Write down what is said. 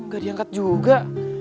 gak diangkat juga